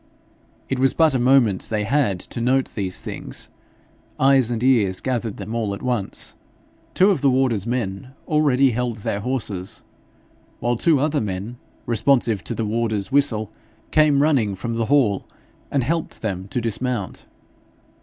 It was but a moment they had to note these things; eyes and ears gathered them all at once. Two of the warder's men already held their horses, while two other men, responsive to the warder's whistle, came running from the hall and helped them to dismount.